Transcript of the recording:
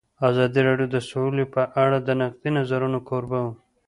ازادي راډیو د سوله په اړه د نقدي نظرونو کوربه وه.